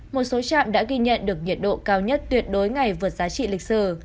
một số trạm đã ghi nhận được nhiệt độ cao nhất tuyệt đối ngày vượt giá trị lịch sử